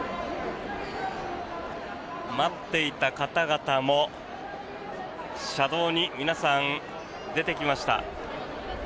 待っていた方々も車道に、皆さん出てきました。